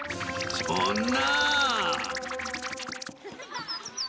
そんな！